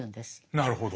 なるほど。